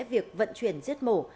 việc vận chuyển giết mổ